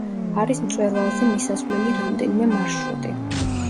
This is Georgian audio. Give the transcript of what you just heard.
არის მწვერვალზე მისასვლელი რამდენიმე მარშრუტი.